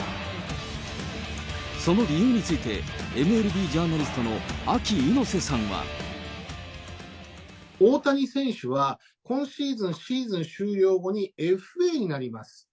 その理由について、ＭＬＢジャーナリストのアキ猪瀬さんは。大谷選手は、今シーズン、シーズン終了後にＦＡになります。